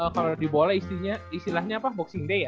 kalau dibole istilahnya boxing day ya